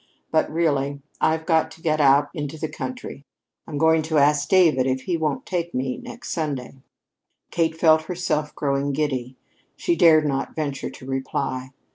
But really, I've got to get out into the country. I'm going to ask David if he won't take me next Sunday." Kate felt herself growing giddy. She dared not venture to reply.